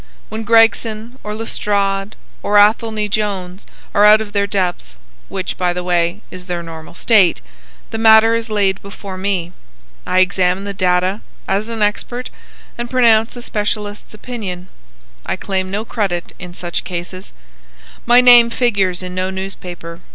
When Gregson or Lestrade or Athelney Jones are out of their depths—which, by the way, is their normal state—the matter is laid before me. I examine the data, as an expert, and pronounce a specialist's opinion. I claim no credit in such cases. My name figures in no newspaper.